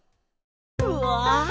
うわ！